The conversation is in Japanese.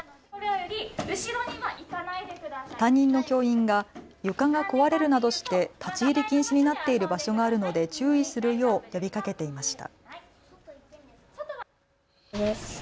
担任の教員が床が壊れるなどして立ち入り禁止になっている場所があるので注意するよう呼びかけていました。